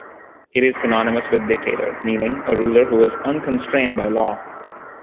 It is synonymous with 'dictator,' meaning 'A ruler who is unconstrained by law.